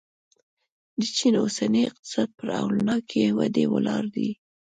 د چین اوسنی اقتصاد پر هولناکې ودې ولاړ دی.